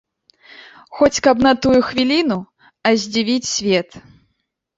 Хоць каб на тую хвіліну, а здзівіць свет.